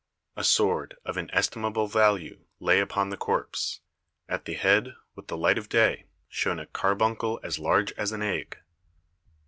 A sword of inestimable value lay upon the corpse. At the head, with the light of day, shone a carbuncle as large as an egg."